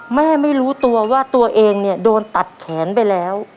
ไม่รู้ตัวว่าตัวเองเนี่ยโดนตัดแขนไปแล้ว